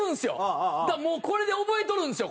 だからもうこれで覚えとるんですよ